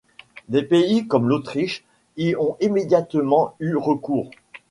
Des pays comme l'Autriche y ont immédiatement eu recours.